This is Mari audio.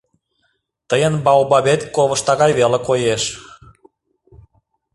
— Тыйын баобабет ковышта гай веле коеш...